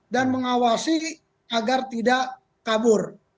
dan mengawasi agar tidak kabur